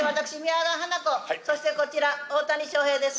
そしてこちら大谷翔平です。